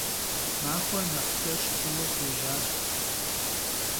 Maxuer nexh ç'eş' xhuue xuêjjaş.